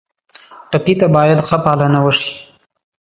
ټپي ته باید ښه پالنه وشي.